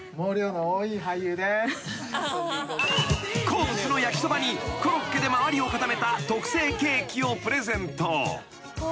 ［好物の焼きそばにコロッケで周りを固めた特製ケーキをプレゼント］